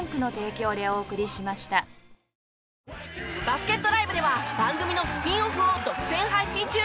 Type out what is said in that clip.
バスケットＬＩＶＥでは番組のスピンオフを独占配信中！